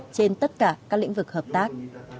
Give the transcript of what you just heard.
trên tất cả các lĩnh vực hợp tác